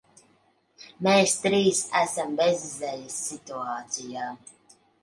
Mēs trīs esam bezizejas situācijā.